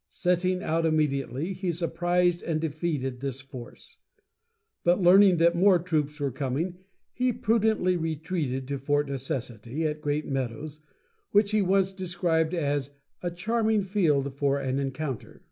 Setting out immediately, he surprised and defeated this force; but learning that more troops were coming, he prudently retreated to Fort Necessity, at Great Meadows, which he once described as "a charming field for an encounter."